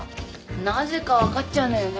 なぜか分かっちゃうのよね。